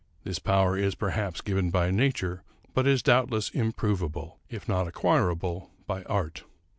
This power is, perhaps, given by nature, but is doubtless improvable, if not acquirable, by art.